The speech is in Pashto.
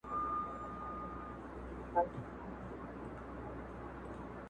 په کتو یې بې ساغره بې شرابو نشه کيږم,